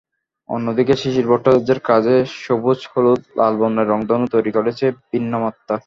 অন্যদিকে শিশির ভট্টাচার্য্যের কাজে সবুজ, হলুদ, লাল বর্ণের রংধনু তৈরি করেছে ভিন্নমাত্রা।